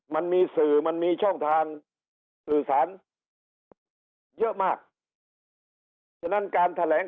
มันมีสื่อมันมีช่องทางสื่อสารเยอะมากฉะนั้นการแถลง